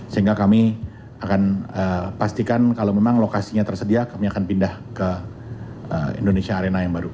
sehingga kami akan pastikan kalau memang lokasinya tersedia kami akan pindah ke indonesia arena yang baru